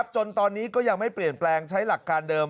จนตอนนี้ก็ยังไม่เปลี่ยนแปลงใช้หลักการเดิม